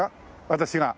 私が。